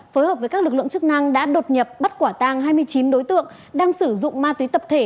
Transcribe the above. phối hợp với các lực lượng chức năng đã đột nhập bắt quả tang hai mươi chín đối tượng đang sử dụng ma túy tập thể